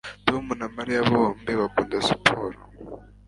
Tom na Mariya bombi bakunda siporo